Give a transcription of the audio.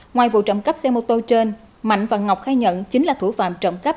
ngoài vụ trầm cắp xe mô tô trên mạnh và ngọc khai nhận chính là thủ phạm trầm cắp